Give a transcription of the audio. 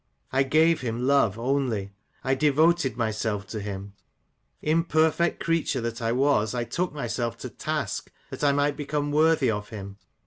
I gave him love only. I devoted myself to him : imperfect creature that I was, I took myself to task, that I might become worthy of him.